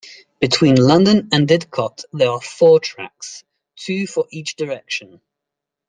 Between London and Didcot there are four tracks, two for each direction.